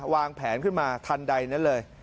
วางแผนขึ้นมาทันใดนั้นเลย